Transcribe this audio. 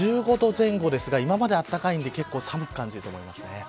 １５度前後ですが今まで暖かいんで寒く感じると思います。